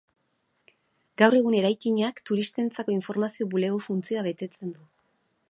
Gaur egun eraikina turistentzako informazio-bulego funtzioa betetzen du.